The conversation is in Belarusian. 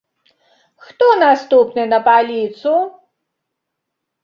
Хто наступны на паліцу?